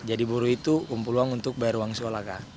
jadi buru itu aku mempulang untuk bayar uang sekolah kak